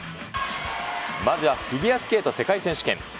まずはフィギュアスケート世界選手権。